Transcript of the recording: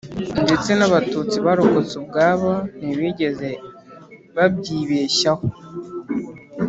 ndetse n'abatutsi barokotse ubwabo ntibigeze babyibeshyaho